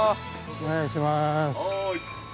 ◆お願いしまーす。